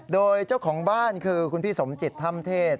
โดยเจ้าของบ้านคือคุณพี่สมจิตถ้ำเทศ